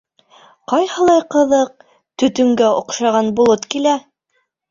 — Ҡайһылай ҡыҙыҡ, төтөнгә оҡшаған болот килә.